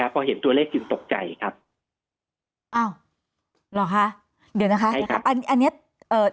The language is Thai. พอเห็นตัวเลขยึงตกใจครับอ้าวหรอคะเดี๋ยวนะคะได้ครับอันอันเนี้ย